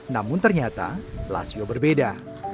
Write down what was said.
namun ternyata lasio berbeda